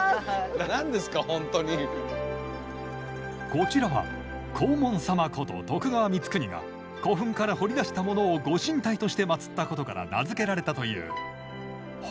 こちらは黄門様こと徳川光圀が古墳から掘り出したものを御神体として祀ったことから名付けられたという堀出神社。